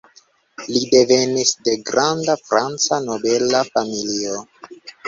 Li devenis de granda franca nobela familio.